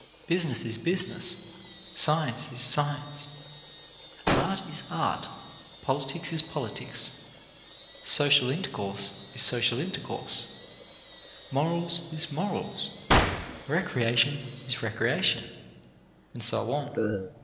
Business is business, science is science, art is art, politics is politics, social intercourse is social intercourse, morals is morals, recreation is recreation, and so on.